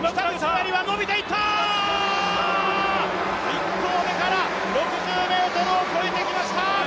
１投目から６０ｍを越えてきました！